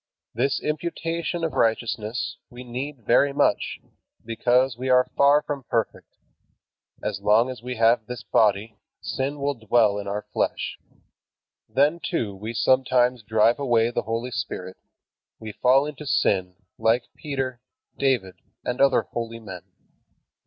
This imputation of righteousness we need very much, because we are far from perfect. As long as we have this body, sin will dwell in our flesh. Then, too, we sometimes drive away the Holy Spirit; we fall into sin, like Peter, David, and other holy men.